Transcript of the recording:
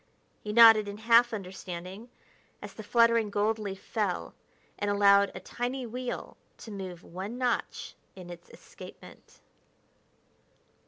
He nodded in half understanding as the fluttering gold leaf fell and allowed a tiny wheel to move one notch in its escapement.